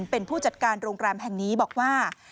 เป็นผู้จัดการโรงแรมแห่งนี้บอกว่า